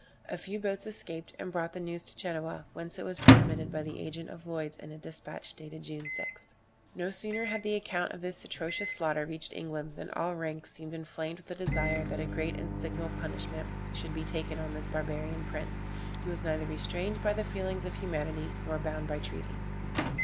A few boats escaped, and brought the news to Genoa, whence it was transmitted by the agent of Lloyd's in a despatch, dated June 6th. No sooner had the account of this atrocious slaughter reached England, than all ranks seemed inflamed with a desire that a great and signal punishment should be taken on this barbarian prince, who was neither restrained by the feelings of humanity nor bound by treaties.